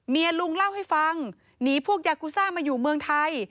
ลุงเล่าให้ฟังหนีพวกยากูซ่ามาอยู่เมืองไทย